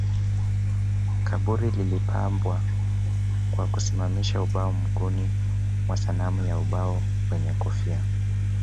Kaburi lilipambwa kwa kusimamisha ubao mguuni na sanamu ya ubao wenye kofia